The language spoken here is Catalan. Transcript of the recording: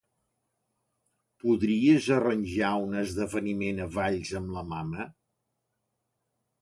Podries arranjar un esdeveniment a Valls amb la mama?